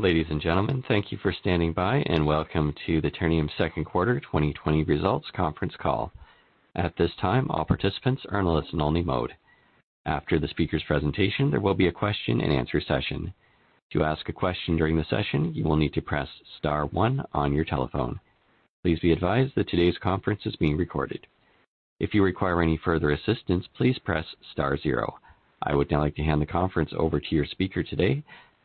Ladies and gentlemen, thank you for standing by, welcome to the Ternium Second Quarter 2020 Results Conference Call. At this time, all participants are in listen only mode. After the speaker's presentation, there will be a question and answer session. To ask a question during the session, you will need to press star one on your telephone. Please be advised that today's conference is being recorded. If you require any further assistance, please press star zero. I would now like to hand the conference over to your speaker today,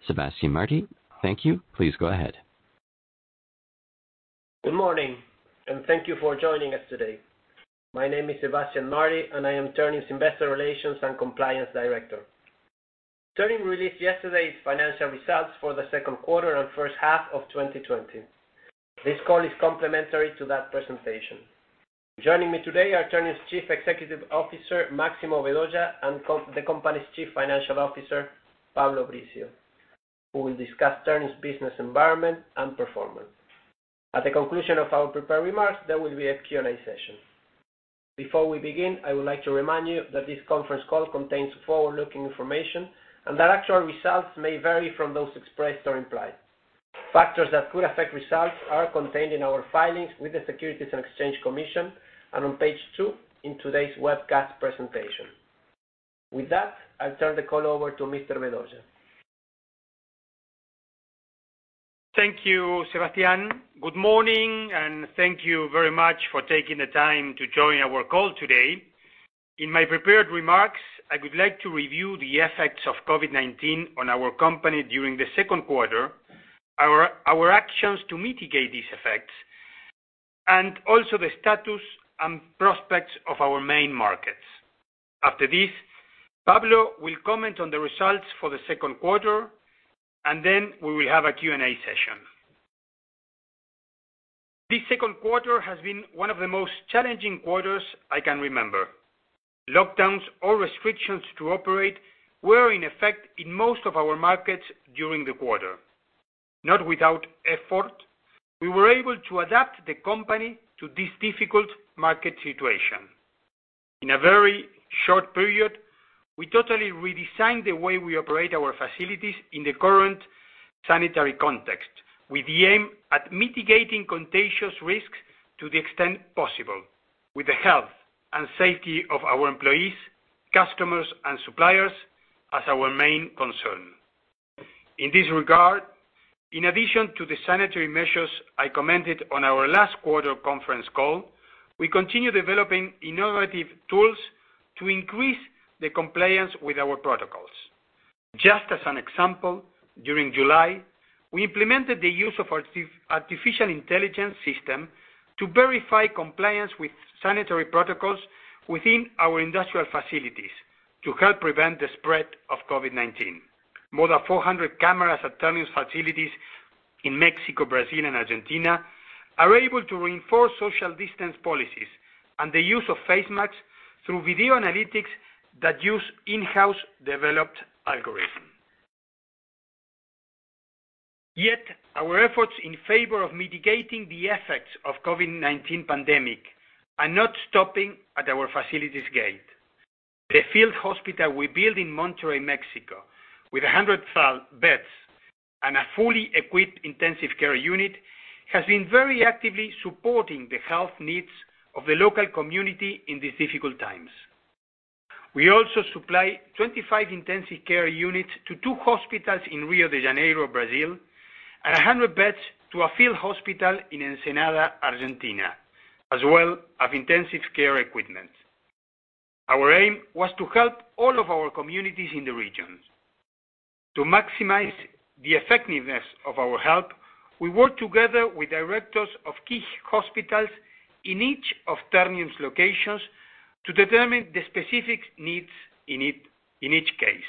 Sebastián Martí. Thank you. Please go ahead. Good morning, and thank you for joining us today. My name is Sebastián Martí, and I am Ternium's Investor Relations and Compliance Director. Ternium released yesterday its financial results for the second quarter and first half of 2020. This call is complementary to that presentation. Joining me today are Ternium's Chief Executive Officer, Máximo Vedoya, and the company's Chief Financial Officer, Pablo Brizzio, who will discuss Ternium's business environment and performance. At the conclusion of our prepared remarks, there will be a Q&A session. Before we begin, I would like to remind you that this conference call contains forward-looking information and that actual results may vary from those expressed or implied. Factors that could affect results are contained in our filings with the Securities and Exchange Commission and on page two in today's webcast presentation. With that, I'll turn the call over to Mr. Vedoya. Thank you, Sebastián. Good morning, and thank you very much for taking the time to join our call today. In my prepared remarks, I would like to review the effects of COVID-19 on our company during the second quarter, our actions to mitigate these effects, and also the status and prospects of our main markets. After this, Pablo will comment on the results for the second quarter, and then we will have a Q&A session. This second quarter has been one of the most challenging quarters I can remember. Lockdowns or restrictions to operate were in effect in most of our markets during the quarter. Not without effort, we were able to adapt the company to this difficult market situation. In a very short period, we totally redesigned the way we operate our facilities in the current sanitary context. We aim at mitigating contagious risks to the extent possible with the health and safety of our employees, customers, and suppliers as our main concern. In this regard, in addition to the sanitary measures I commented on our last quarter conference call, we continue developing innovative tools to increase the compliance with our protocols. Just as an example, during July, we implemented the use of artificial intelligence system to verify compliance with sanitary protocols within our industrial facilities to help prevent the spread of COVID-19. More than 400 cameras at Ternium's facilities in Mexico, Brazil, and Argentina are able to reinforce social distance policies and the use of face masks through video analytics that use in-house developed algorithm. Yet our efforts in favor of mitigating the effects of COVID-19 pandemic are not stopping at our facilities gate. The field hospital we built in Monterrey, Mexico, with 100 beds and a fully equipped intensive care unit, has been very actively supporting the health needs of the local community in these difficult times. We also supply 25 intensive care units to two hospitals in Rio de Janeiro, Brazil, and 100 beds to a field hospital in Ensenada, Argentina, as well as intensive care equipment. Our aim was to help all of our communities in the regions. To maximize the effectiveness of our help, we work together with directors of key hospitals in each of Ternium's locations to determine the specific needs in each case.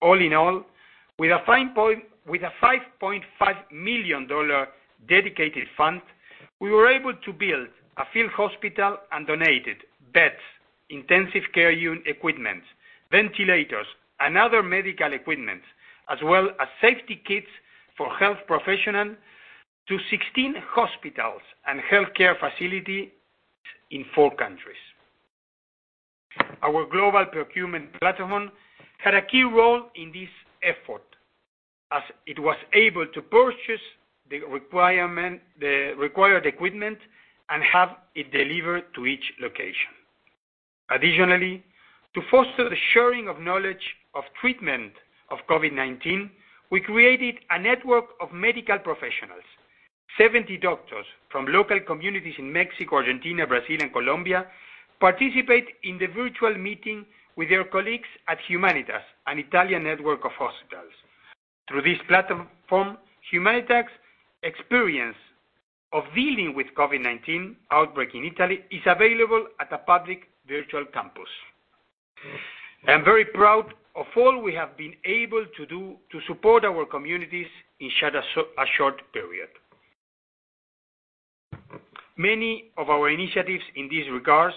All in all, with a $5.5 million dedicated fund, we were able to build a field hospital and donated beds, intensive care unit equipment, ventilators, and other medical equipment, as well as safety kits for health professional to 16 hospitals and healthcare facilities in four countries. Our global procurement platform had a key role in this effort as it was able to purchase the required equipment and have it delivered to each location. Additionally, to foster the sharing of knowledge of treatment of COVID-19, we created a network of medical professionals, 70 doctors from local communities in Mexico, Argentina, Brazil, and Colombia participate in the virtual meeting with their colleagues at Humanitas, an Italian network of hospitals. Through this platform, Humanitas' experience of dealing with COVID-19 outbreak in Italy is available at a public virtual campus. I'm very proud of all we have been able to do to support our communities in such a short period. Many of our initiatives in these regards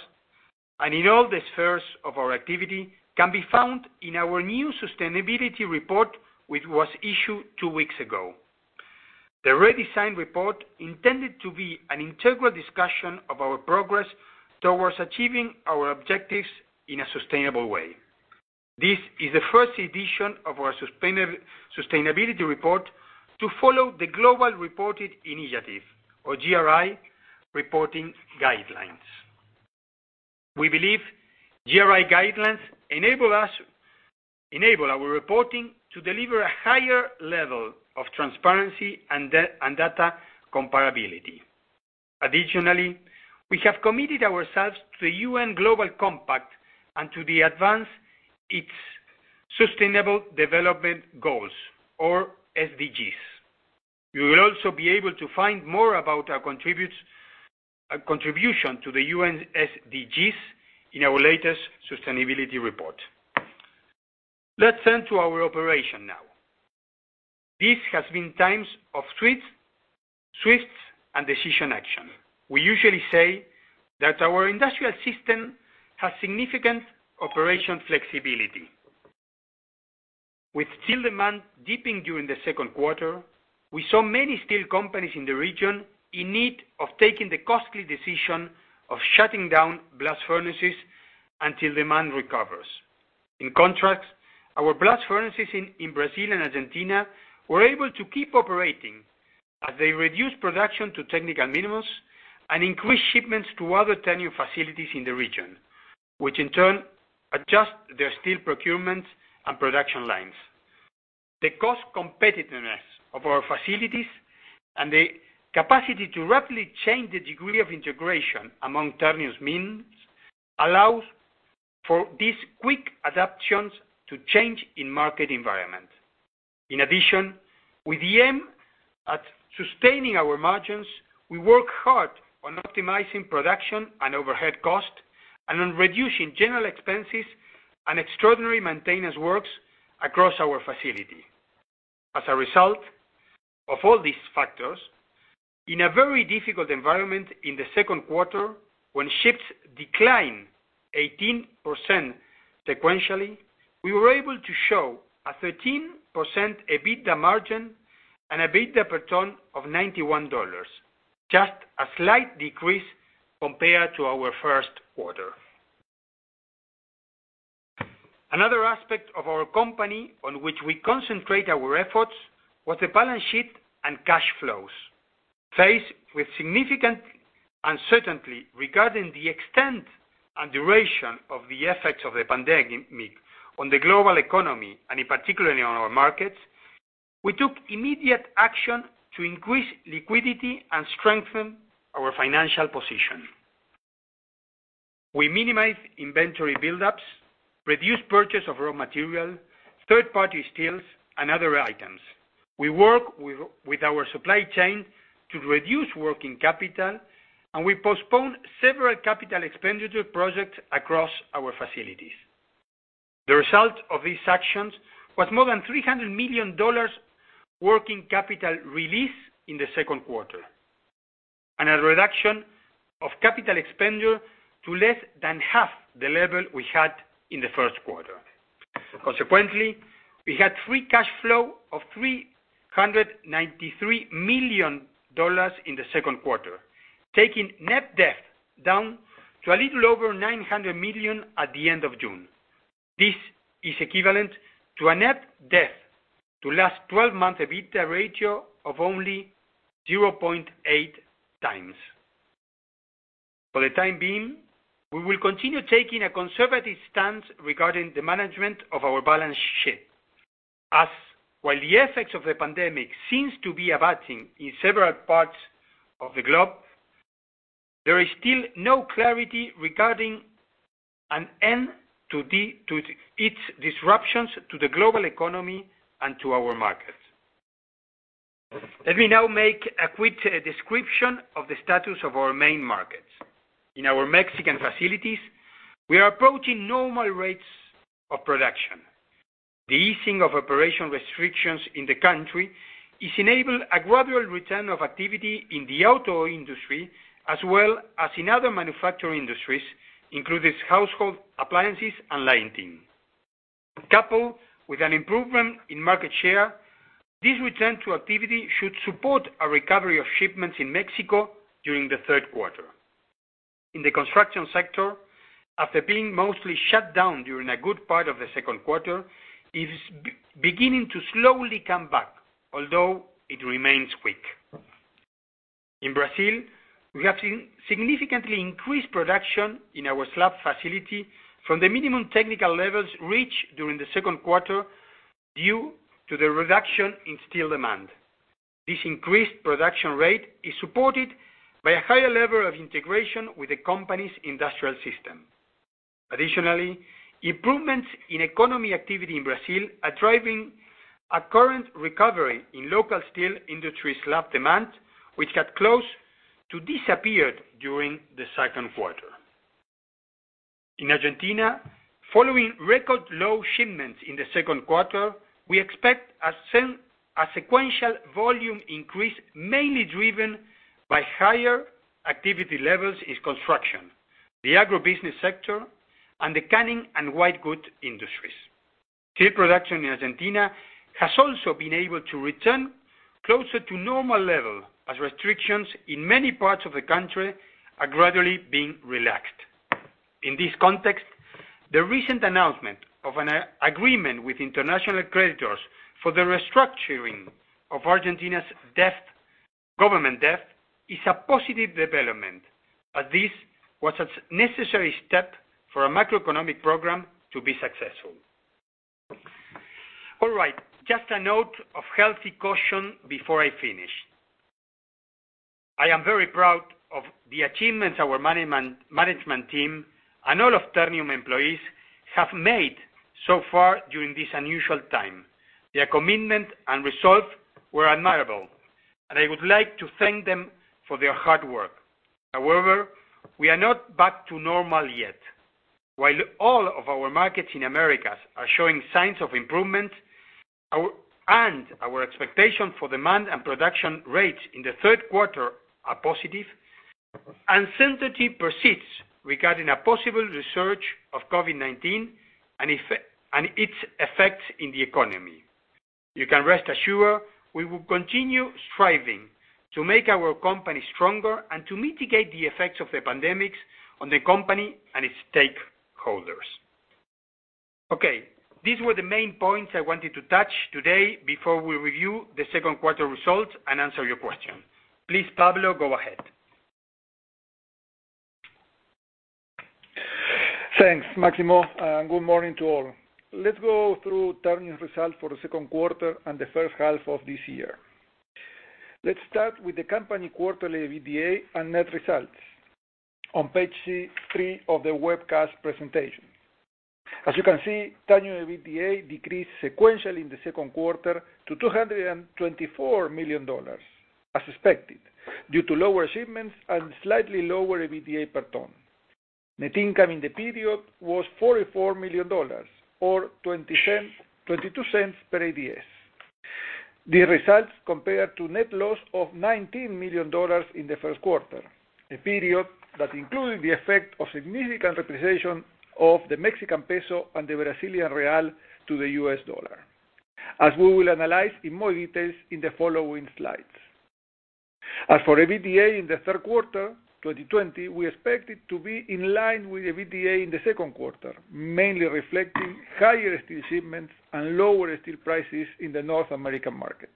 and in all the spheres of our activity can be found in our new sustainability report, which was issued two weeks ago. The redesigned report intended to be an integral discussion of our progress towards achieving our objectives in a sustainable way. This is the first edition of our sustainability report to follow the Global Reporting Initiative, or GRI, reporting guidelines. We believe GRI guidelines enable our reporting to deliver a higher level of transparency and data comparability. Additionally, we have committed ourselves to the UN Global Compact and to advance its Sustainable Development Goals, or SDGs. You will also be able to find more about our contribution to the UN SDGs in our latest sustainability report. Let's turn to our operation now. This has been times of swift and decisive action. We usually say that our industrial system has significant operational flexibility. With steel demand dipping during the second quarter, we saw many steel companies in the region in need of taking the costly decision of shutting down blast furnaces until demand recovers. In contrast, our blast furnaces in Brazil and Argentina were able to keep operating as they reduced production to technical minimums and increased shipments to other Ternium facilities in the region, which in turn adjust their steel procurement and production lines. The cost competitiveness of our facilities and the capacity to rapidly change the degree of integration among Ternium's means allows for these quick adaptions to change in market environment. In addition, with the aim at sustaining our margins, we work hard on optimizing production and overhead cost and on reducing general expenses and extraordinary maintenance works across our facility. As a result of all these factors, in a very difficult environment in the second quarter, when slabs declined 18% sequentially, we were able to show a 13% EBITDA margin and EBITDA per ton of $91, just a slight decrease compared to our first quarter. Another aspect of our company on which we concentrate our efforts was the balance sheet and cash flows. Faced with significant uncertainty regarding the extent and duration of the effects of the pandemic on the global economy, and in particular on our markets, we took immediate action to increase liquidity and strengthen our financial position. We minimized inventory buildups, reduced purchase of raw material, third-party steels, and other items. We work with our supply chain to reduce working capital, and we postpone several capital expenditure projects across our facilities. The result of these actions was more than $300 million working capital release in the second quarter, and a reduction of capital expenditure to less than half the level we had in the first quarter. Consequently, we had free cash flow of $393 million in the second quarter, taking net debt down to a little over $900 million at the end of June. This is equivalent to a net debt to last 12 months EBITDA ratio of only 0.8 times. For the time being, we will continue taking a conservative stance regarding the management of our balance sheet. While the effects of the pandemic seems to be abating in several parts of the globe, there is still no clarity regarding an end to its disruptions to the global economy and to our markets. Let me now make a quick description of the status of our main markets. In our Mexican facilities, we are approaching normal rates of production. The easing of operation restrictions in the country is enabling a gradual return of activity in the auto industry, as well as in other manufacturing industries, including household appliances and lighting. Coupled with an improvement in market share, this return to activity should support a recovery of shipments in Mexico during the third quarter. In the construction sector, after being mostly shut down during a good part of the second quarter, it is beginning to slowly come back, although it remains weak. In Brazil, we have seen significantly increased production in our slab facility from the minimum technical levels reached during the second quarter due to the reduction in steel demand. This increased production rate is supported by a higher level of integration with the company's industrial system. Additionally, improvements in economic activity in Brazil are driving a current recovery in local steel industry slab demand, which had close to disappeared during the second quarter. In Argentina, following record low shipments in the second quarter, we expect a sequential volume increase, mainly driven by higher activity levels in construction, the agribusiness sector, and the canning and white goods industries. Steel production in Argentina has also been able to return closer to normal level, as restrictions in many parts of the country are gradually being relaxed. In this context, the recent announcement of an agreement with international creditors for the restructuring of Argentina's government debt is a positive development, as this was a necessary step for a macroeconomic program to be successful. All right. Just a note of healthy caution before I finish. I am very proud of the achievements our management team, and all of Ternium employees, have made so far during this unusual time. Their commitment and resolve were admirable, and I would like to thank them for their hard work. However, we are not back to normal yet. While all of our markets in Americas are showing signs of improvement, and our expectation for demand and production rates in the third quarter are positive, uncertainty persists regarding a possible resurge of COVID-19 and its effects in the economy. You can rest assured we will continue striving to make our company stronger and to mitigate the effects of the pandemic on the company and its stakeholders. Okay. These were the main points I wanted to touch today before we review the second quarter results and answer your question. Please, Pablo, go ahead. Thanks, Máximo, and good morning to all. Let's go through Ternium's results for the second quarter and the first half of this year. Let's start with the company quarterly EBITDA and net results on page three of the webcast presentation. As you can see, Ternium EBITDA decreased sequentially in the second quarter to $224 million, as expected, due to lower shipments and slightly lower EBITDA per ton. Net income in the period was $44 million, or $0.22 per ADS. These results compare to net loss of $19 million in the first quarter, a period that included the effect of significant representation of the Mexican peso and the Brazilian real to the US dollar, as we will analyze in more details in the following slides. As for EBITDA in the third quarter 2020, we expect it to be in line with EBITDA in the second quarter, mainly reflecting higher steel shipments and lower steel prices in the North American market.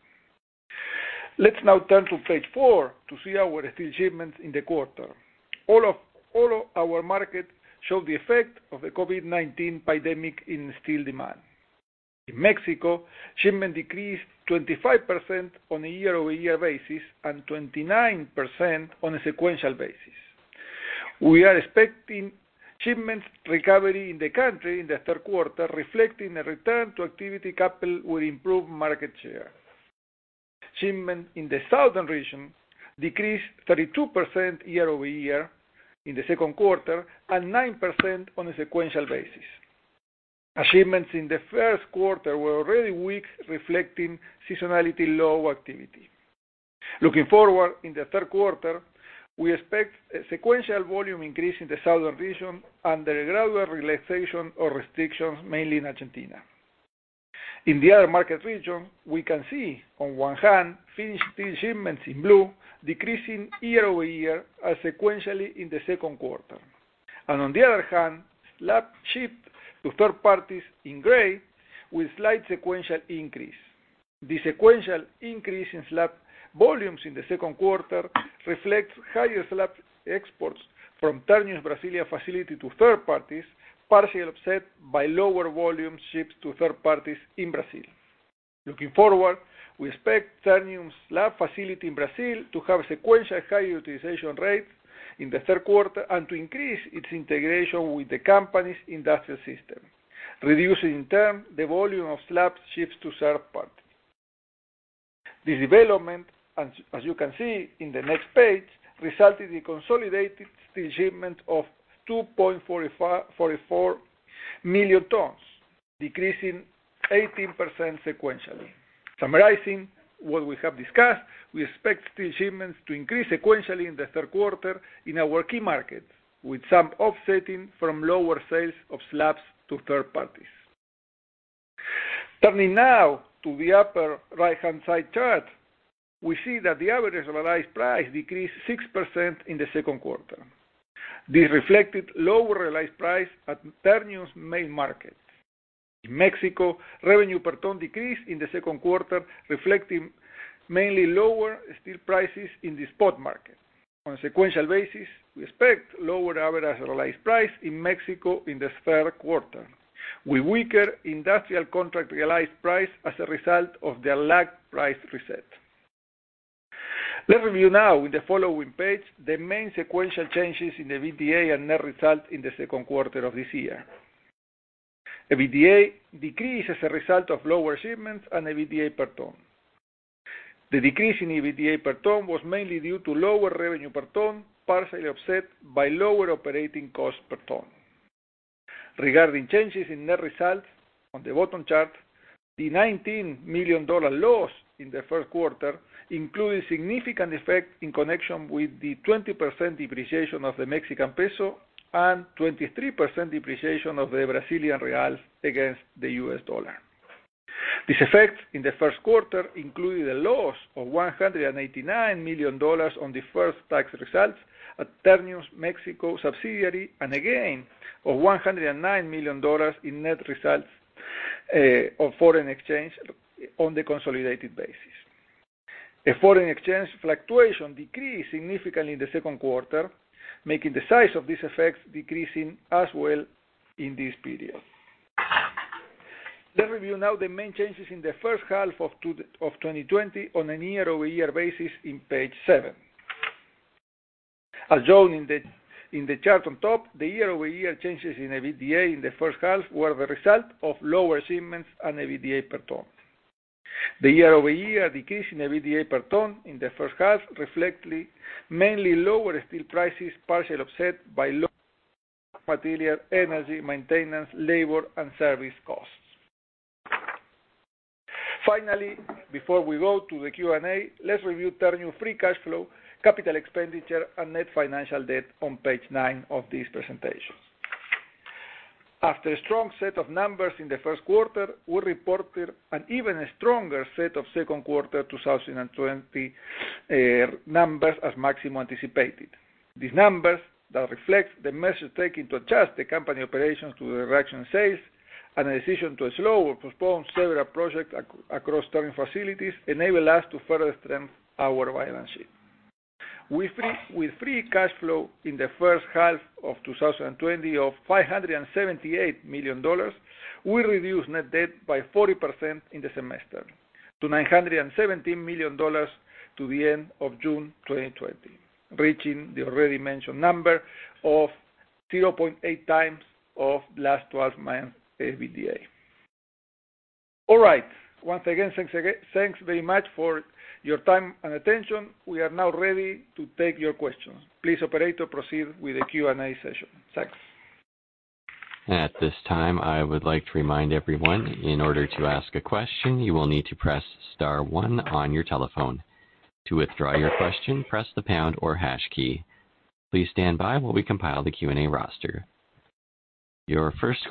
Let's now turn to page four to see our steel shipments in the quarter. All our markets show the effect of the COVID-19 pandemic in steel demand. In Mexico, shipment decreased 25% on a year-over-year basis and 29% on a sequential basis. We are expecting shipments recovery in the country in the third quarter, reflecting a return to activity coupled with improved market share. Shipments in the southern region decreased 32% year-over-year in the second quarter and 9% on a sequential basis, as shipments in the first quarter were already weak, reflecting seasonality low activity. Looking forward, in the third quarter, we expect a sequential volume increase in the southern region and a gradual relaxation of restrictions, mainly in Argentina. In the other market region, we can see, on one hand, finished steel shipments in blue decreasing year-over-year and sequentially in the second quarter. On the other hand, slab shipped to third parties in gray with slight sequential increase. The sequential increase in slab volumes in the second quarter reflects higher slab exports from Ternium's Brazilian facility to third parties, partially offset by lower volume shipped to third parties in Brazil. Looking forward, we expect Ternium slab facility in Brazil to have sequential higher utilization rates in the third quarter and to increase its integration with the company's industrial system, reducing, in turn, the volume of slabs shipped to third parties. This development, as you can see in the next page, resulted in consolidated steel shipment of 2.44 million tons, decreasing 18% sequentially. Summarizing what we have discussed, we expect steel shipments to increase sequentially in the third quarter in our key markets, with some offsetting from lower sales of slabs to third parties. Turning now to the upper right-hand side chart, we see that the average realized price decreased 6% in the second quarter. This reflected lower realized price at Ternium's main market. In Mexico, revenue per ton decreased in the second quarter, reflecting mainly lower steel prices in the spot market. On a sequential basis, we expect lower average realized price in Mexico in the third quarter, with weaker industrial contract realized price as a result of their lagged price reset. Let's review now with the following page the main sequential changes in EBITDA and net result in the second quarter of this year. EBITDA decreased as a result of lower shipments and EBITDA per ton. The decrease in EBITDA per ton was mainly due to lower revenue per ton, partially offset by lower operating cost per ton. Regarding changes in net results on the bottom chart. The $19 million loss in the first quarter includes significant effects in connection with the 20% depreciation of the Mexican peso and 23% depreciation of the Brazilian real against the US dollar. This effect in the first quarter included a loss of $189 million on deferred tax results at Ternium's Mexico subsidiary, and again, of $109 million in net results of foreign exchange on the consolidated basis. A foreign exchange fluctuation decreased significantly in the second quarter, making the size of this effect decreasing as well in this period. Let's review now the main changes in the first half of 2020 on a year-over-year basis on page seven. As shown in the chart on top, the year-over-year changes in EBITDA in the first half were the result of lower shipments and EBITDA per ton. The year-over-year decrease in EBITDA per ton in the first half reflects mainly lower steel prices, partially offset by lower material, energy, maintenance, labor, and service costs. Finally, before we go to the Q&A, let's review Ternium free cash flow, capital expenditure, and net financial debt on page nine of this presentation. After a strong set of numbers in the first quarter, we reported an even stronger set of second quarter 2020 numbers as Máximo anticipated. These numbers, that reflect the measures taken to adjust the company operations to the reduction in sales and the decision to slow or postpone several projects across Ternium facilities, enable us to further strengthen our balance sheet. With free cash flow in the first half of 2020 of $578 million, we reduced net debt by 40% in the semester to $917 million to the end of June 2020, reaching the already mentioned number of 0.8 times of last 12-month EBITDA. All right. Once again, thanks very much for your time and attention. We are now ready to take your questions. Please, operator, proceed with the Q&A session. Thanks. Your first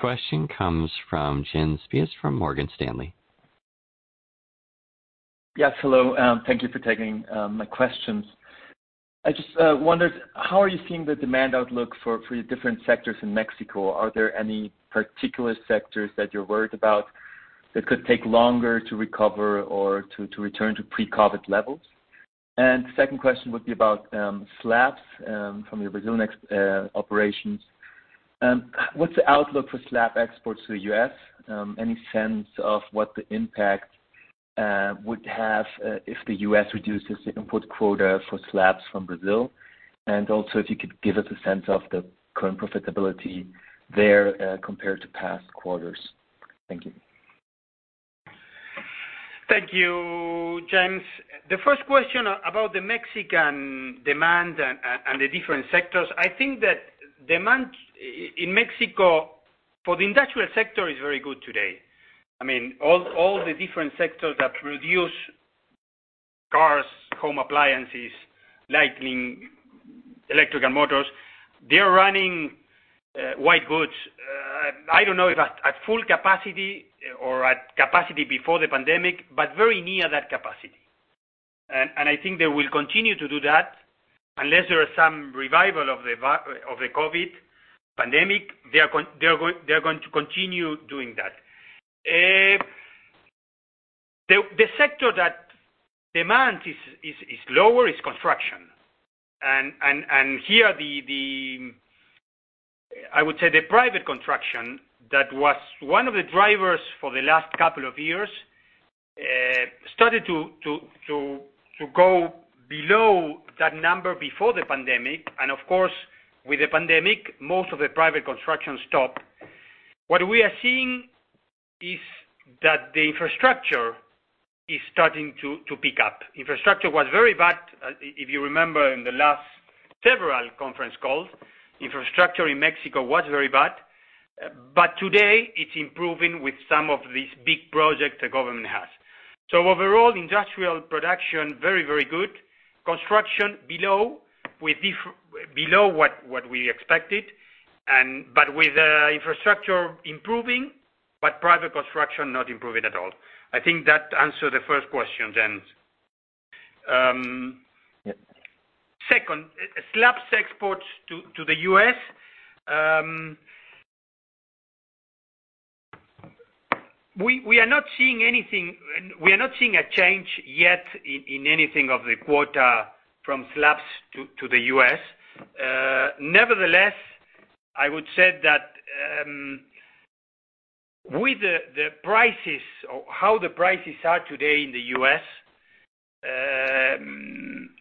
question comes from James Spiers from Morgan Stanley. Yes, hello. Thank you for taking my questions. I just wondered, how are you seeing the demand outlook for the different sectors in Mexico? Are there any particular sectors that you're worried about that could take longer to recover or to return to pre-COVID levels? Second question would be about slabs from your Brazilian operations. What's the outlook for slab exports to the U.S.? Any sense of what the impact would have if the U.S. reduces the input quota for slabs from Brazil? Also, if you could give us a sense of the current profitability there compared to past quarters. Thank you. Thank you, James. The first question about the Mexican demand and the different sectors, I think that demand in Mexico for the industrial sector is very good today. All the different sectors that produce cars, home appliances, lighting, electrical motors, they're running white goods. I don't know if at full capacity or at capacity before the pandemic, but very near that capacity. I think they will continue to do that, unless there is some revival of the COVID-19 pandemic. They're going to continue doing that. The sector that demand is lower is construction. Here, I would say, the private construction, that was one of the drivers for the last couple of years, started to go below that number before the pandemic. Of course, with the pandemic, most of the private construction stopped. What we are seeing is that the infrastructure is starting to pick up. Infrastructure was very bad, if you remember in the last several conference calls, infrastructure in Mexico was very bad. Today, it's improving with some of these big projects the government has. Overall, industrial production, very, very good. Construction, below what we expected, but with infrastructure improving, but private construction not improving at all. I think that answered the first question, James. Second, slabs exports to the U.S. We are not seeing a change yet in anything of the quota from slabs to the U.S. Nevertheless, I would say that with how the prices are today in the U.S.,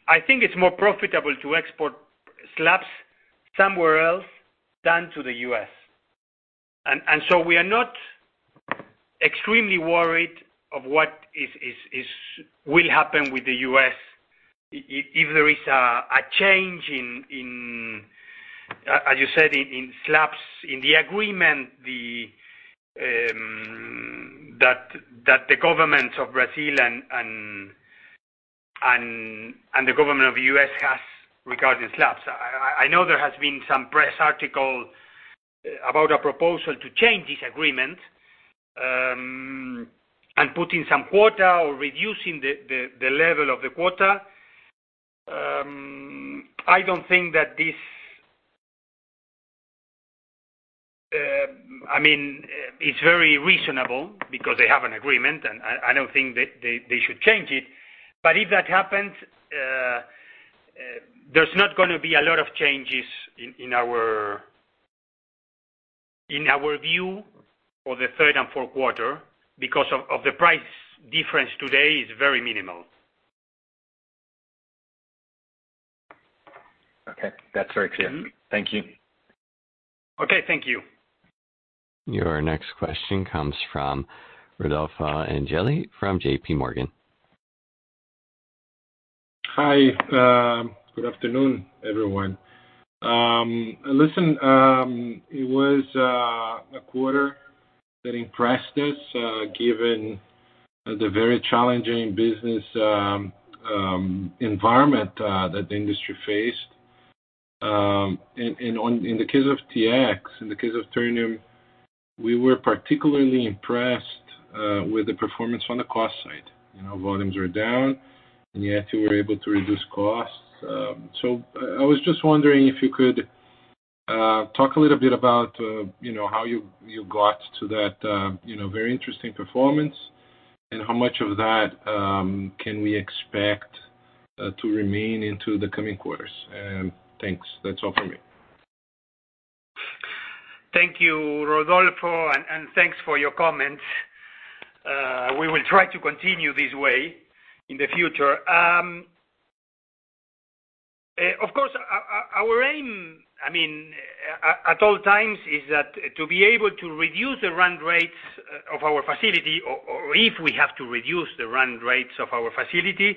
I think it's more profitable to export slabs somewhere else than to the U.S. We are not extremely worried of what will happen with the U.S. If there is a change, as you said, in slabs in the agreement that the government of Brazil and the government of U.S. has regarding slabs. I know there has been some press article about a proposal to change this agreement, and putting some quota or reducing the level of the quota. It's very reasonable because they have an agreement, and I don't think they should change it. If that happens, there's not going to be a lot of changes in our view for the third and fourth quarter because of the price difference today is very minimal. Okay, that's very clear. Thank you. Okay. Thank you. Your next question comes from Rodolfo Angelli from JPMorgan. Hi. Good afternoon, everyone. Listen, it was a quarter that impressed us, given the very challenging business environment that the industry faced. In the case of TX, in the case of Ternium, we were particularly impressed with the performance on the cost side. Volumes were down, and yet you were able to reduce costs. I was just wondering if you could talk a little bit about how you got to that very interesting performance, and how much of that can we expect to remain into the coming quarters. Thanks. That's all from me. Thank you, Rodolfo, and thanks for your comments. We will try to continue this way in the future. Of course, our aim at all times is that to be able to reduce the run rates of our facility, or if we have to reduce the run rates of our facility,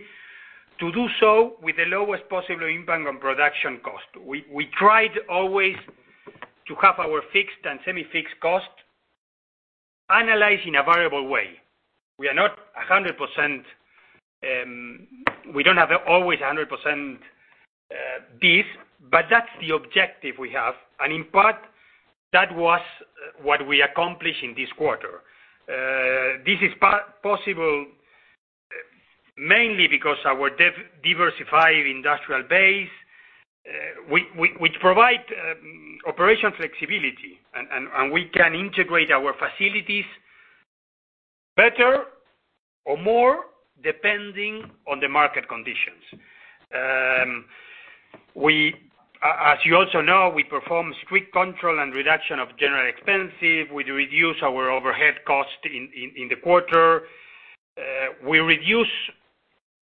to do so with the lowest possible impact on production cost. We tried always to have our fixed and semi-fixed cost analyzed in a variable way. We don't have always 100% this, but that's the objective we have. In part, that was what we accomplished in this quarter. This is possible mainly because our diversified industrial base, which provide operation flexibility, and we can integrate our facilities better or more depending on the market conditions. As you also know, we perform strict control and reduction of general expenses. We reduce our overhead cost in the quarter. We reduce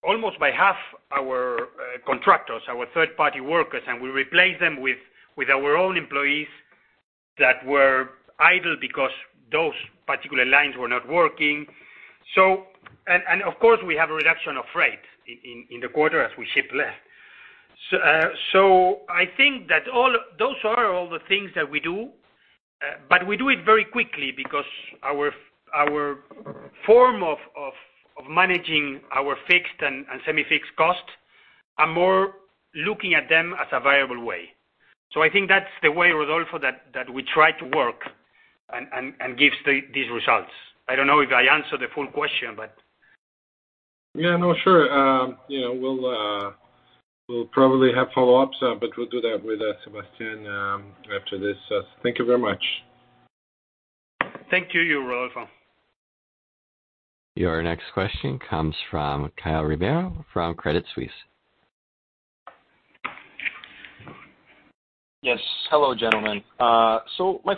almost by half our contractors, our third-party workers, and we replace them with our own employees that were idle because those particular lines were not working. Of course, we have a reduction of rate in the quarter as we ship less. I think that those are all the things that we do, but we do it very quickly because our form of managing our fixed and semi-fixed costs are more looking at them as a variable way. I think that's the way, Rodolfo, that we try to work and gives these results. I don't know if I answered the full question, but. Yeah. No, sure. We'll probably have follow-ups, but we'll do that with Sebastián after this. Thank you very much. Thank you, Rodolfo. Your next question comes from Caio Ribeiro from Credit Suisse. Yes. Hello, gentlemen. My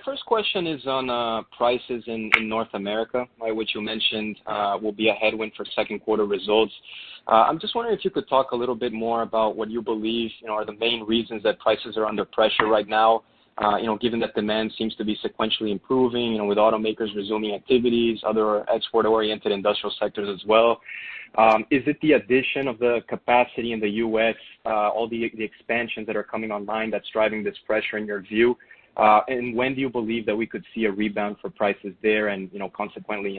first question is on prices in North America, which you mentioned will be a headwind for second quarter results. I'm just wondering if you could talk a little bit more about what you believe are the main reasons that prices are under pressure right now given that demand seems to be sequentially improving with automakers resuming activities, other export-oriented industrial sectors as well. Is it the addition of the capacity in the U.S., all the expansions that are coming online that's driving this pressure in your view? When do you believe that we could see a rebound for prices there and consequently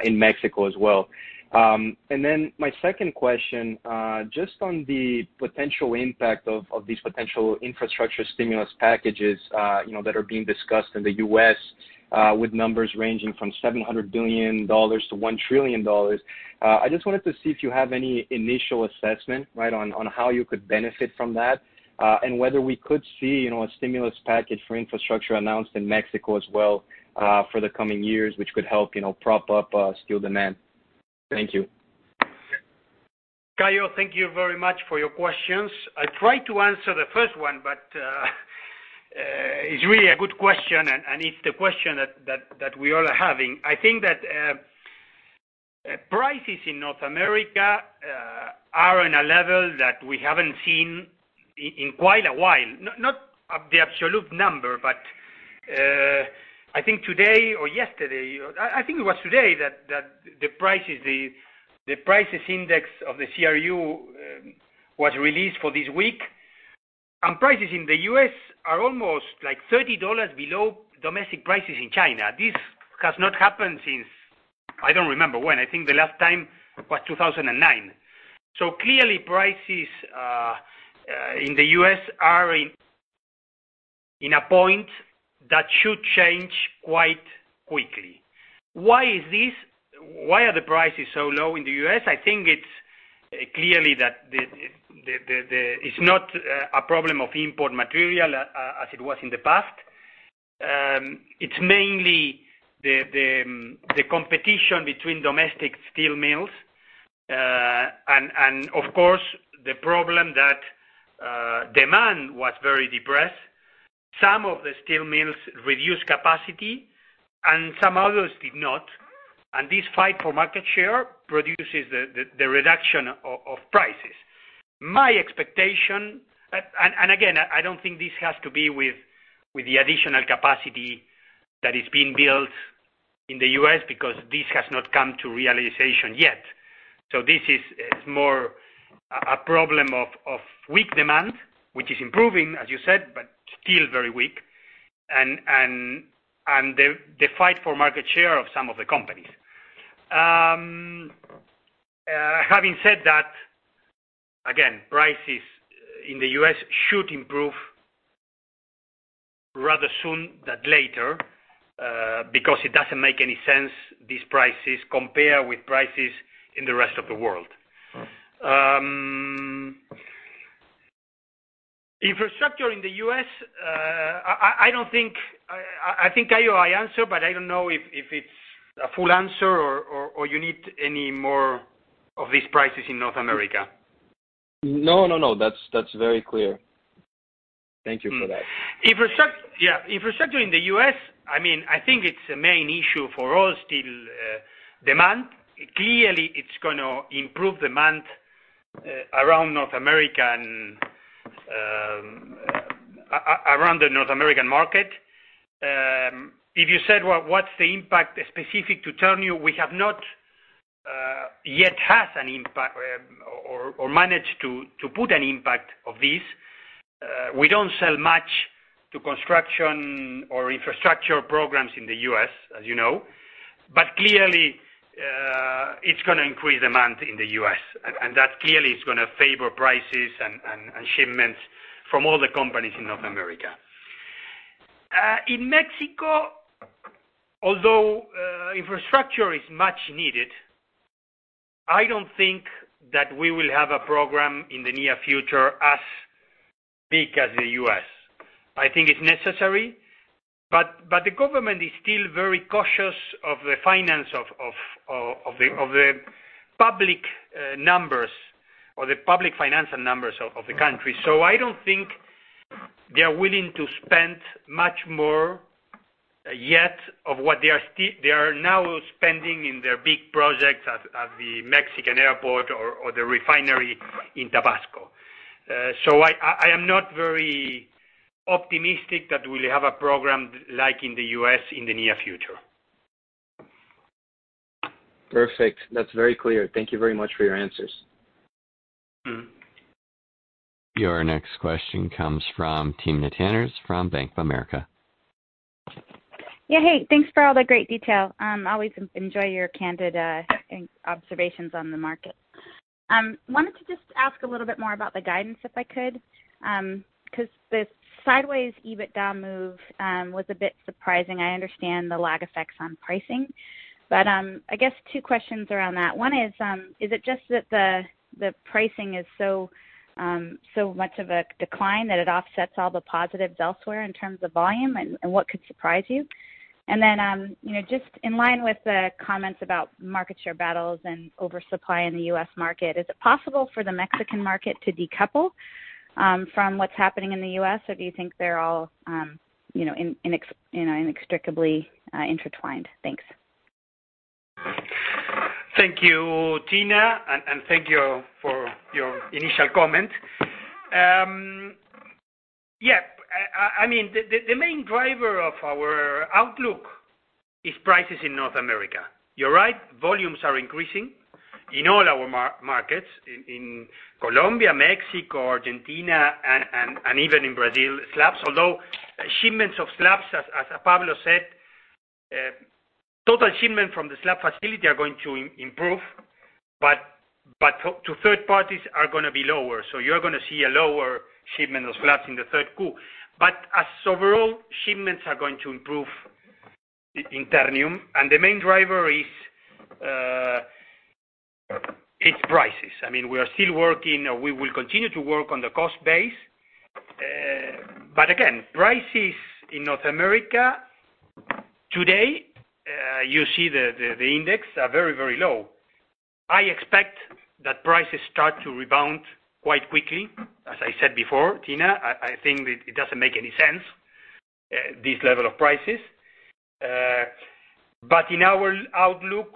in Mexico as well? Then my second question, just on the potential impact of these potential infrastructure stimulus packages that are being discussed in the U.S. with numbers ranging from $700 billion-$1 trillion. I just wanted to see if you have any initial assessment on how you could benefit from that. Whether we could see a stimulus package for infrastructure announced in Mexico as well for the coming years, which could help prop up steel demand. Thank you. Caio, thank you very much for your questions. I try to answer the first one. It's really a good question, and it's the question that we all are having. I think that prices in North America are in a level that we haven't seen in quite a while. Not the absolute number. I think today or yesterday, I think it was today that the prices index of the CRU was released for this week. Prices in the U.S. are almost $30 below domestic prices in China. This has not happened since, I don't remember when. I think the last time was 2009. Clearly, prices in the U.S. are in a point that should change quite quickly. Why is this? Why are the prices so low in the U.S.? I think it's clearly that it's not a problem of import material as it was in the past. It's mainly the competition between domestic steel mills. Of course, the problem that demand was very depressed. Some of the steel mills reduced capacity and some others did not, and this fight for market share produces the reduction of prices. My expectation, again, I don't think this has to be with the additional capacity that is being built in the U.S. because this has not come to realization yet. This is more a problem of weak demand, which is improving, as you said, but still very weak, and the fight for market share of some of the companies. Having said that, again, prices in the U.S. should improve rather soon than later, because it doesn't make any sense, these prices compare with prices in the rest of the world. Infrastructure in the U.S., I think I answer, but I don't know if it's a full answer or you need any more of these prices in North America. No, that's very clear. Thank you for that. Infrastructure in the U.S., I think it's a main issue for all steel demand. Clearly, it's going to improve demand around the North American market. If you said, what's the impact specific to Ternium, we have not yet had an impact or managed to put an impact of this. We don't sell much to construction or infrastructure programs in the U.S., as you know. Clearly, it's going to increase demand in the U.S., and that clearly is going to favor prices and shipments from all the companies in North America. In Mexico, although infrastructure is much needed, I don't think that we will have a program in the near future as big as the U.S. I think it's necessary, the government is still very cautious of the finance of the public numbers or the public financial numbers of the country. I don't think they are willing to spend much more yet of what they are now spending in their big projects at the Mexican airport or the refinery in Tabasco. I am not very optimistic that we'll have a program like in the U.S. in the near future. Perfect. That's very clear. Thank you very much for your answers. Your next question comes from Timna Tanners from Bank of America. Yeah. Hey, thanks for all the great detail. Always enjoy your candid observations on the market. I wanted to just ask a little bit more about the guidance, if I could. The sideways EBITDA move was a bit surprising. I understand the lag effects on pricing. I guess two questions around that. One is it just that the pricing is so much of a decline that it offsets all the positives elsewhere in terms of volume? What could surprise you? Just in line with the comments about market share battles and oversupply in the U.S. market, is it possible for the Mexican market to decouple from what's happening in the U.S., or do you think they're all inextricably intertwined? Thanks. Thank you, Timna, and thank you for your initial comment. Yeah. The main driver of our outlook is prices in North America. You're right, volumes are increasing in all our markets, in Colombia, Mexico, Argentina, and even in Brazil, slabs. Although shipments of slabs, as Pablo said, total shipment from the slab facility are going to improve, but to third parties are going to be lower. You're going to see a lower shipment of slabs in the third quarter. As overall, shipments are going to improve in Ternium, and the main driver is prices. We are still working, we will continue to work on the cost base. Again, prices in North America, today you see the index are very low. I expect that prices start to rebound quite quickly. As I said before, Timna, I think it doesn't make any sense, this level of prices. In our outlook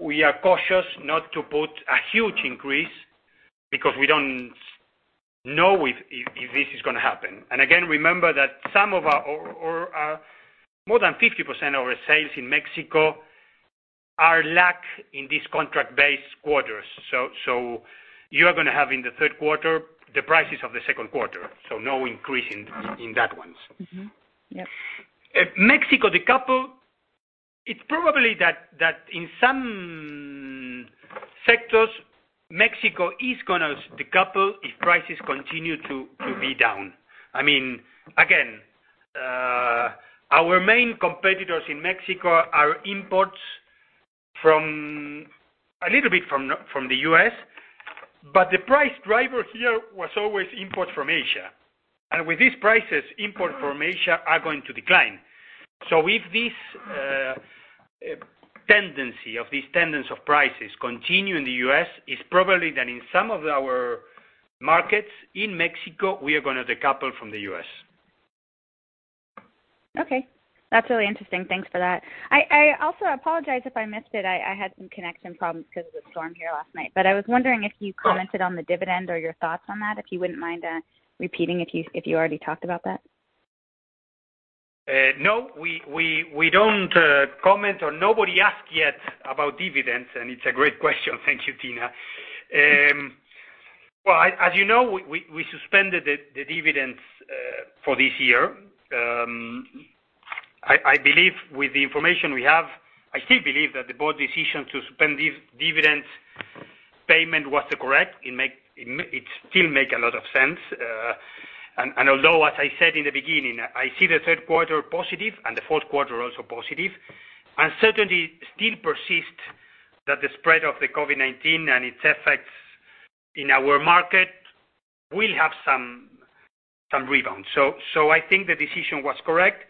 we are cautious not to put a huge increase because we don't know if this is going to happen. Again, remember that more than 50% of our sales in Mexico are lacking in these contract-based quarters. You are going to have in the third quarter, the prices of the second quarter, so no increase in that one. Mm-hmm. Yep. Mexico decouple, it's probably that in some sectors, Mexico is going to decouple if prices continue to be down. Our main competitors in Mexico are imports from, a little bit from the U.S., but the price driver here was always import from Asia. With these prices, imports from Asia are going to decline. If this tendency of prices continue in the U.S., it's probably that in some of our markets in Mexico, we are going to decouple from the U.S. Okay. That's really interesting. Thanks for that. I also apologize if I missed it. I had some connection problems because of the storm here last night, but I was wondering if you commented on the dividend or your thoughts on that, if you wouldn't mind, repeating if you already talked about that. We don't comment or nobody asked yet about dividends. It's a great question. Thank you, Timna. Well, as you know, we suspended the dividends for this year. I believe with the information we have, I still believe that the board decision to suspend this dividend payment was the correct. It still make a lot of sense. Although, as I said in the beginning, I see the third quarter positive and the fourth quarter also positive, uncertainty still persists that the spread of the COVID-19 and its effects in our market will have some rebound. I think the decision was correct.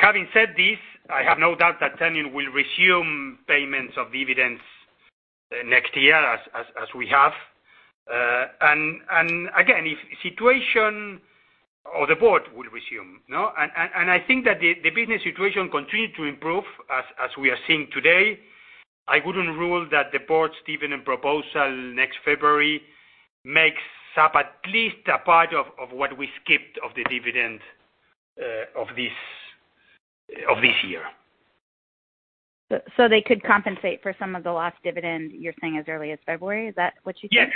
Having said this, I have no doubt that Ternium will resume payments of dividends next year as we have. Again, if situation or the board will resume. I think that the business situation continue to improve as we are seeing today. I wouldn't rule that the board's dividend proposal next February makes up at least a part of what we skipped of the dividend of this year. They could compensate for some of the lost dividend, you're saying as early as February? Is that what you think?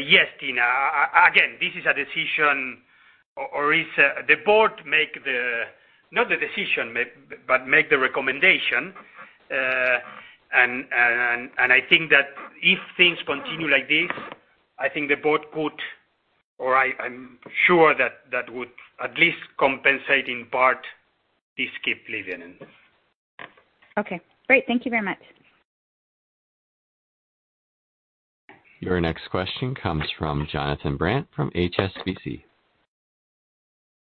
Yes, Timna. Again, this is a decision, or the board, not the decision, but make the recommendation. I think that if things continue like this, I think the board could, or I'm sure that would at least compensate in part this skipped dividend. Okay, great. Thank you very much. Your next question comes from Jonathan Brandt from HSBC.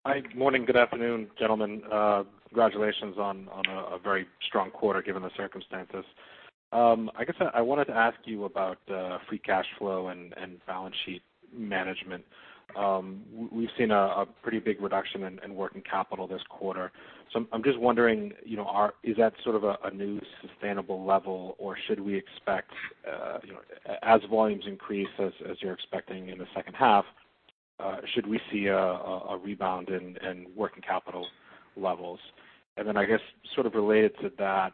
Hi. Morning. Good afternoon, gentlemen. Congratulations on a very strong quarter given the circumstances. I guess I wanted to ask you about free cash flow and balance sheet management. We've seen a pretty big reduction in working capital this quarter. I'm just wondering, is that sort of a new sustainable level, or should we expect as volumes increase as you're expecting in the second half, should we see a rebound in working capital levels? Then, I guess, sort of related to that,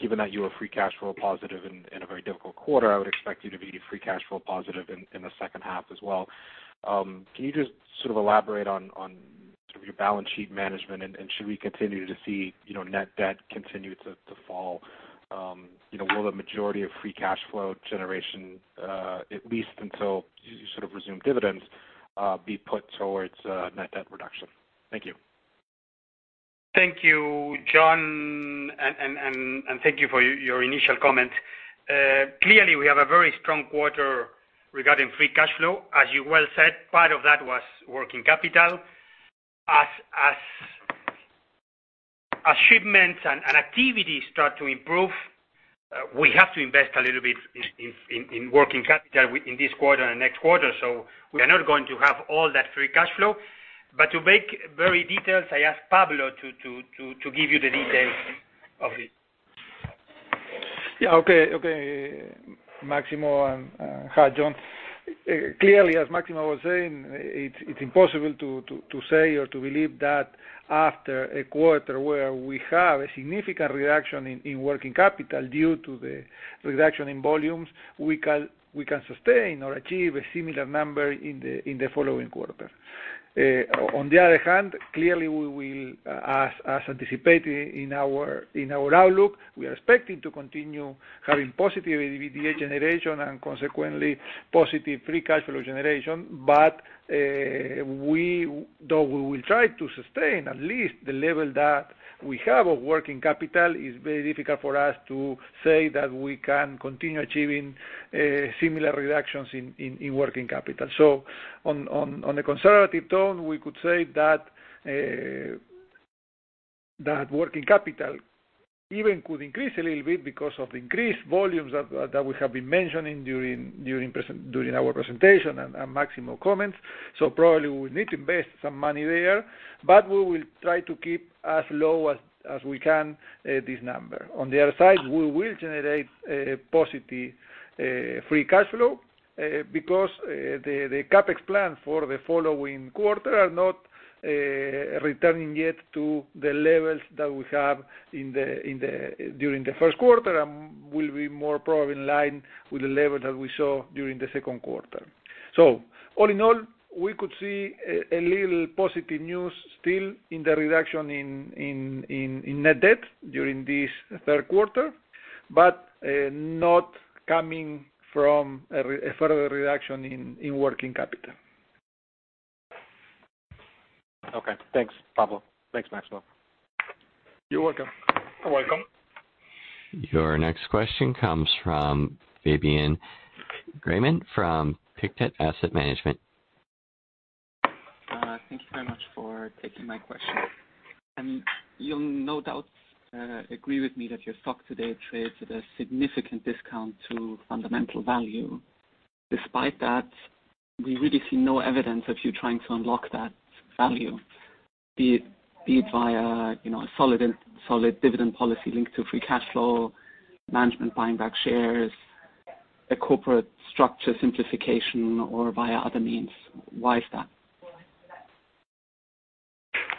given that you are free cash flow positive in a very difficult quarter, I would expect you to be free cash flow positive in the second half as well. Can you just elaborate on your balance sheet management? Should we continue to see net debt continue to fall? Will the majority of free cash flow generation, at least until you sort of resume dividends, be put towards net debt reduction? Thank you. Thank you, John, and thank you for your initial comment. Clearly, we have a very strong quarter regarding free cash flow. You well said, part of that was working capital. Shipments and activity start to improve, we have to invest a little bit in working capital in this quarter and next quarter. We are not going to have all that free cash flow. To make very detailed, I ask Pablo to give you the details of it. Yeah. Okay, Máximo, and hi, John. Clearly, as Máximo was saying, it's impossible to say or to believe that after a quarter where we have a significant reduction in working capital due to the reduction in volumes, we can sustain or achieve a similar number in the following quarter. On the other hand, clearly, we will, as anticipated in our outlook, we are expecting to continue having positive EBITDA generation and consequently positive free cash flow generation. Though we will try to sustain at least the level that we have of working capital, it's very difficult for us to say that we can continue achieving similar reductions in working capital. On a conservative tone, we could say that working capital even could increase a little bit because of increased volumes that we have been mentioning during our presentation and Máximo comments. Probably we need to invest some money there, but we will try to keep as low as we can this number. On the other side, we will generate a positive free cash flow because the CapEx plan for the following quarter are not returning yet to the levels that we have during the first quarter and will be more probably in line with the level that we saw during the second quarter. All in all, we could see a little positive news still in the reduction in net debt during this third quarter, but not coming from a further reduction in working capital. Okay. Thanks, Pablo. Thanks, Máximo. You're welcome. You're welcome. Your next question comes from Fabian Graven from Pictet Asset Management. Thank you very much for taking my question. You'll no doubt agree with me that your stock today trades at a significant discount to fundamental value. Despite that, we really see no evidence of you trying to unlock that value, be it via a solid dividend policy linked to free cash flow, management buying back shares, a corporate structure simplification, or via other means. Why is that?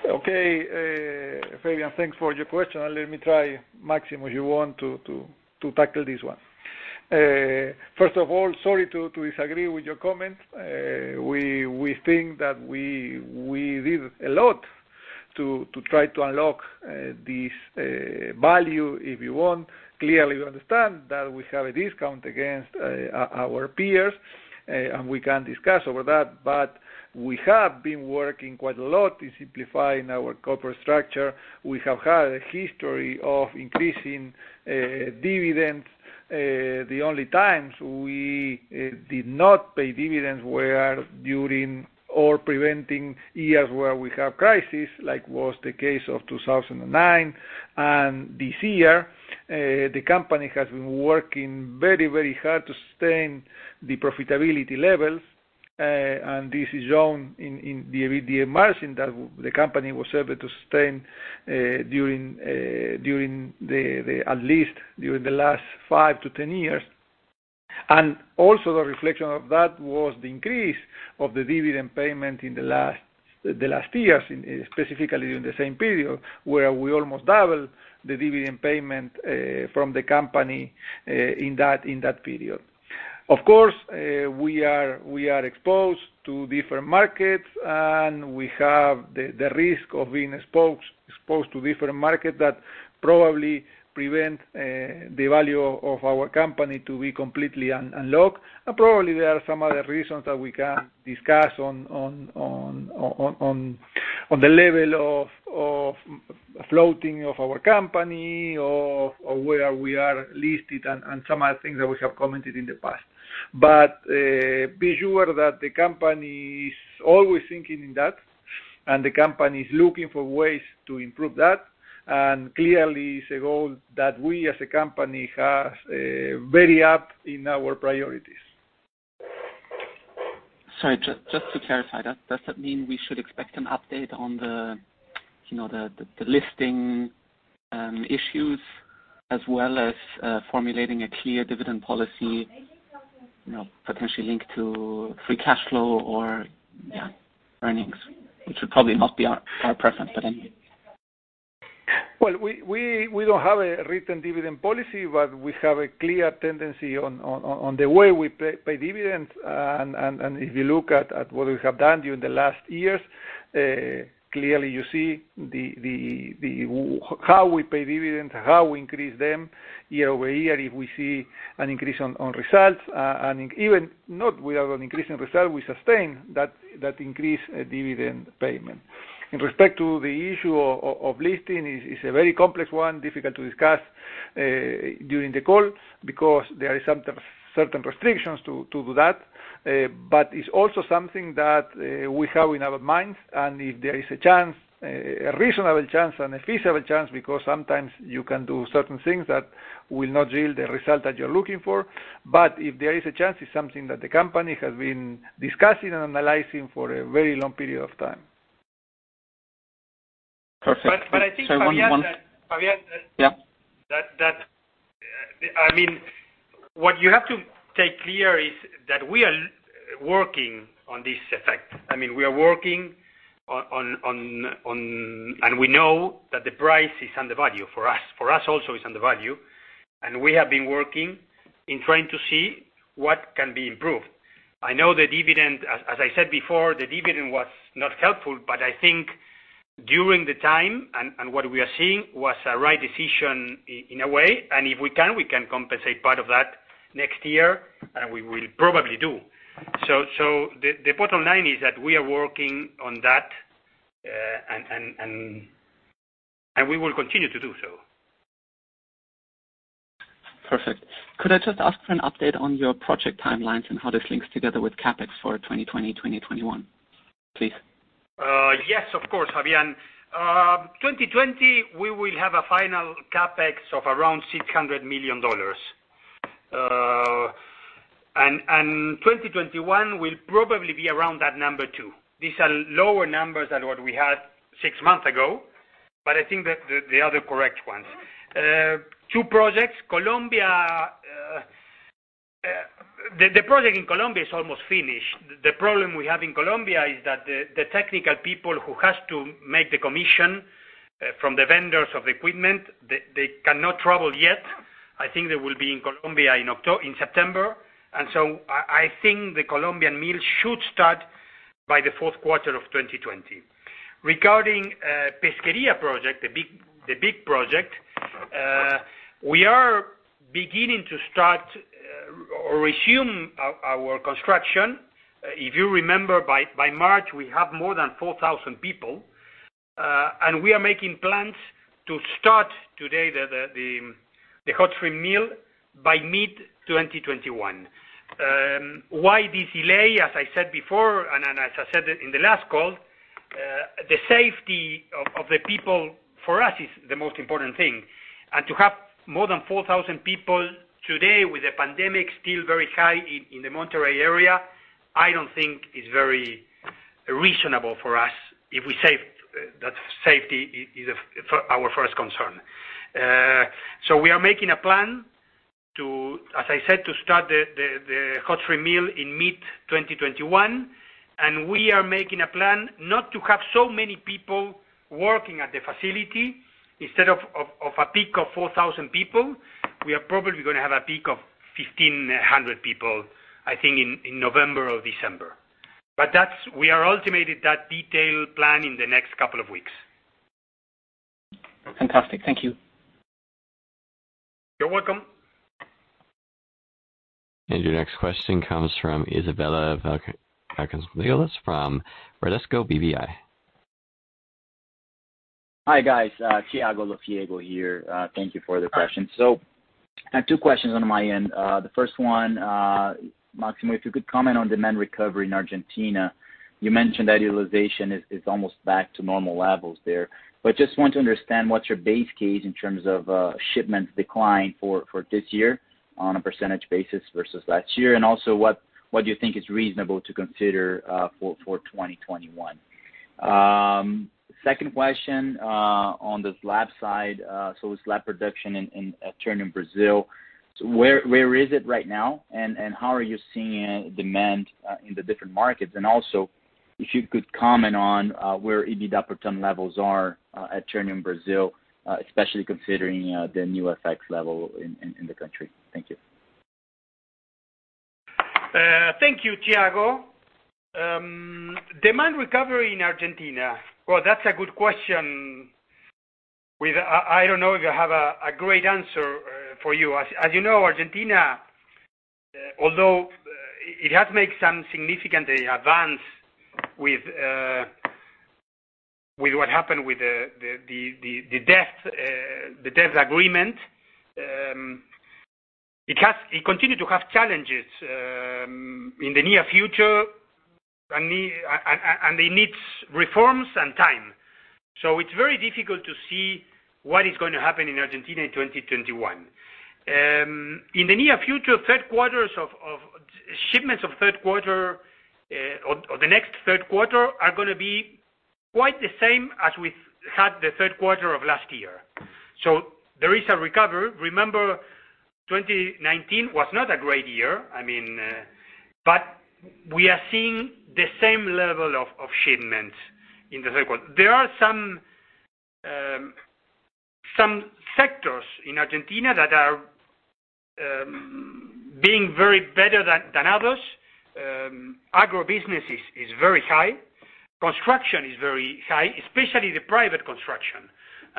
Okay, Fabian, thanks for your question. Let me try, Máximo, if you want to tackle this one. First of all, sorry to disagree with your comment. We think that we did a lot to try to unlock this value, if you want. Clearly, we understand that we have a discount against our peers, and we can discuss over that, but we have been working quite a lot in simplifying our corporate structure. We have had a history of increasing dividends. The only times we did not pay dividends were during or preventing years where we have crisis, like was the case of 2009 and this year. This is shown in the margin that the company was able to sustain at least during the last five to 10 years. Also the reflection of that was the increase of the dividend payment in the last years, specifically during the same period, where we almost doubled the dividend payment from the company in that period. Of course, we are exposed to different markets, and we have the risk of being exposed to different markets that probably prevent the value of our company to be completely unlocked. Probably there are some other reasons that we can discuss on the level of floating of our company or where we are listed and some other things that we have commented in the past. Be sure that the company is always thinking in that, and the company is looking for ways to improve that. Clearly, it's a goal that we as a company have very up in our priorities. Sorry, just to clarify that, does that mean we should expect an update on the listing issues as well as formulating a clear dividend policy, potentially linked to free cash flow or earnings, which would probably not be our preference, but anyway? Well, we don't have a written dividend policy, we have a clear tendency on the way we pay dividends. If you look at what we have done during the last years, clearly you see how we pay dividends, how we increase them year-over-year if we see an increase on results, and even not with an increase in results, we sustain that increased dividend payment. In respect to the issue of listing, it's a very complex one, difficult to discuss during the call because there are certain restrictions to do that. It's also something that we have in our minds, and if there is a chance, a reasonable chance and a feasible chance, because sometimes you can do certain things that will not yield the result that you're looking for. If there is a chance, it's something that the company has been discussing and analyzing for a very long period of time. Perfect. I think, Fabian Yeah. What you have to take clear is that we are working on this effect. We are working on, and we know that the price is undervalued. For us also, it's undervalued, and we have been working in trying to see what can be improved. I know the dividend, as I said before, the dividend was not helpful, but I think during the time, and what we are seeing was a right decision in a way. If we can, we can compensate part of that next year, and we will probably do. The bottom line is that we are working on that, and we will continue to do so. Perfect. Could I just ask for an update on your project timelines and how this links together with CapEx for 2020, 2021, please? Yes, of course, Fabian. 2020, we will have a final CapEx of around $600 million. 2021 will probably be around that number too. These are lower numbers than what we had six months ago, but I think they are the correct ones. Two projects. The project in Colombia is almost finished. The problem we have in Colombia is that the technical people who have to make the commission from the vendors of the equipment, they cannot travel yet. I think they will be in Colombia in September. I think the Colombian mill should start by the fourth quarter of 2020. Regarding Pesquería project, the big project, we are beginning to start or resume our construction. If you remember by March, we had more than 4,000 people, and we are making plans to start today the hot strip mill by mid-2021. Why this delay? As I said before, and as I said in the last call, the safety of the people for us is the most important thing. To have more than 4,000 people today with the pandemic still very high in the Monterrey area, I don't think is very reasonable for us if we say that safety is our first concern. We are making a plan, as I said, to start the hot strip mill in mid-2021, and we are making a plan not to have so many people working at the facility. Instead of a peak of 4,000 people, we are probably going to have a peak of 1,500 people, I think, in November or December. We are ultimating that detailed plan in the next couple of weeks. Fantastic. Thank you. You're welcome. Your next question comes from Isabella Vasconcelos from Bradesco BBI. Hi, guys, Thiago Lofiego here. Thank you for the question. I have two questions on my end. The first one, Máximo, if you could comment on demand recovery in Argentina. You mentioned that utilization is almost back to normal levels there, but just want to understand what's your base case in terms of shipments decline for this year on a percentage basis versus last year, and also what do you think is reasonable to consider for 2021? Second question on the slab side. Slab production in Ternium Brasil, where is it right now, and how are you seeing demand in the different markets? If you could comment on where EBITDA per ton levels are at Ternium Brasil, especially considering the new FX level in the country. Thank you. Thank you, Thiago. Demand recovery in Argentina. That's a good question. I don't know if I have a great answer for you. As you know, Argentina, although it has made some significant advance with what happened with the debt agreement, it continue to have challenges in the near future and it needs reforms and time. It's very difficult to see what is going to happen in Argentina in 2021. In the near future, shipments of third quarter or the next third quarter are going to be quite the same as we had the third quarter of last year. There is a recovery. Remember, 2019 was not a great year. We are seeing the same level of shipments in the third quarter. There are some sectors in Argentina that are doing very better than others. Agribusiness is very high. Construction is very high, especially the private construction.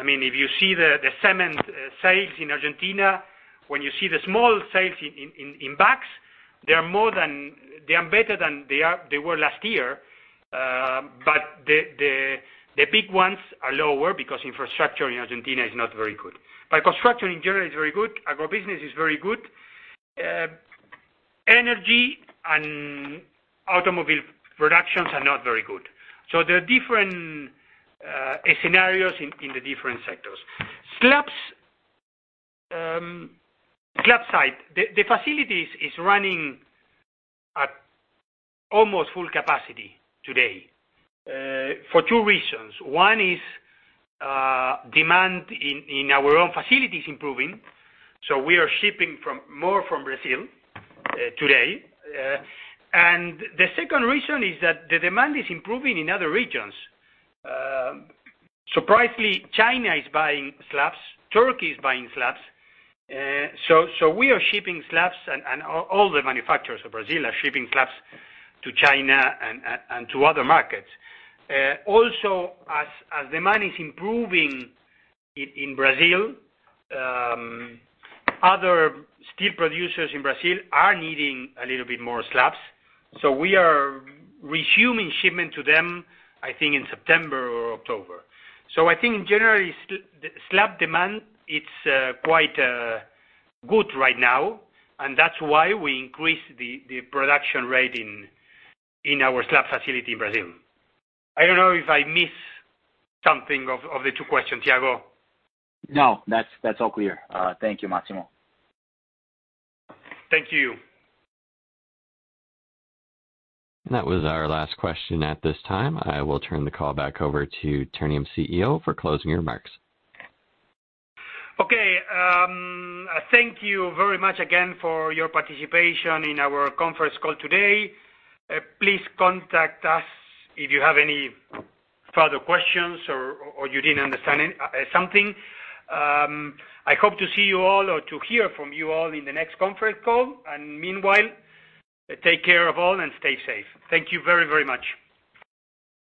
You see the cement sales in Argentina, when you see the small sales in bags, they are better than they were last year. The big ones are lower because infrastructure in Argentina is not very good. Construction in general is very good. Agribusiness is very good. Energy and automobile productions are not very good. There are different scenarios in the different sectors. Slab side, the facilities is running at almost full capacity today for two reasons. One is demand in our own facilities improving, so we are shipping more from Brazil today. The second reason is that the demand is improving in other regions. Surprisingly, China is buying slabs. Turkey is buying slabs. We are shipping slabs, and all the manufacturers of Brazil are shipping slabs to China and to other markets. As demand is improving in Brazil, other steel producers in Brazil are needing a little bit more slabs. We are resuming shipment to them, I think, in September or October. I think in general, slab demand, it's quite good right now, and that's why we increased the production rate in our slab facility in Brazil. I don't know if I missed something of the two questions, Thiago. No, that's all clear. Thank you, Máximo. Thank you. That was our last question at this time. I will turn the call back over to Ternium CEO for closing remarks. Okay. Thank you very much again for your participation in our conference call today. Please contact us if you have any further questions or you didn't understand something. I hope to see you all or to hear from you all in the next conference call. Meanwhile, take care of all and stay safe. Thank you very much.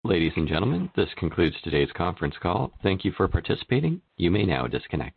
Ladies and gentlemen, this concludes today's conference call. Thank you for participating. You may now disconnect.